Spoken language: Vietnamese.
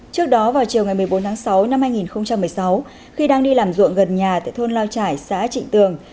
trước đó vào chiều ngày một mươi bốn tháng sáu năm hai nghìn một mươi sáu khi đang đi làm ruộng gần nhà tại thôn lao trải xã trịnh tường